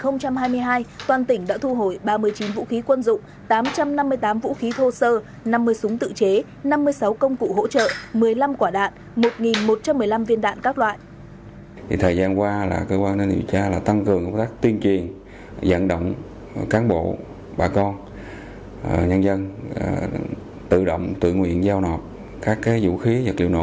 năm hai nghìn hai mươi hai toàn tỉnh đã thu hồi ba mươi chín vũ khí quân dụng tám trăm năm mươi tám vũ khí thô sơ năm mươi súng tự chế